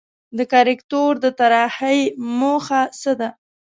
د کاریکاتور د طراحۍ موخه څه ده؟